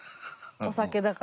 お酒だから。